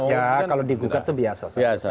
ya kalau digugat itu biasa saja